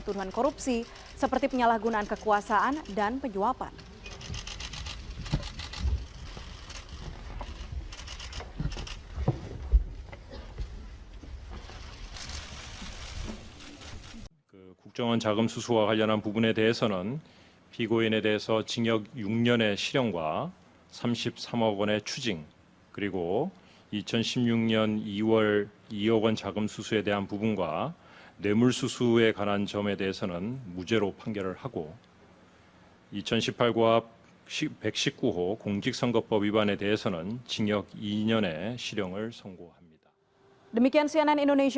tidak ada yang bisa diberikan